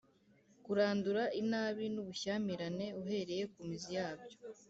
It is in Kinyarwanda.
kurandura inabi n’ubushyamirane uhereye ku mizi yabyo